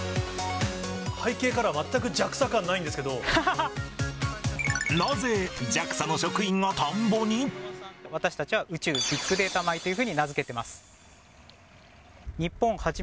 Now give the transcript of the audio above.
背景からは全くＪＡＸＡ感ななぜＪＡＸＡの職員が田んぼ私たちは宇宙ビッグデータ米というふうに名付けてます。